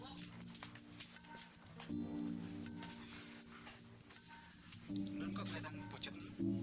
emang kok keliatan pucet